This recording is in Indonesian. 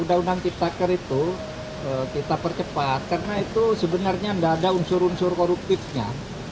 undang undang ciptaker itu kita percepat karena itu sebenarnya tidak ada unsur unsur koruptifnya